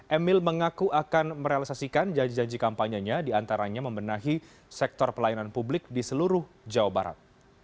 emil mengaku akan merealisasikan janji janji kampanyenya diantaranya membenahi sektor pelayanan publik di seluruh jawa barat